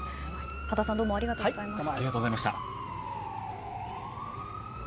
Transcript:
多田さんありがとうございました。